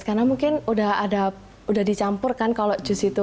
karena mungkin sudah dicampur kan kalau jus itu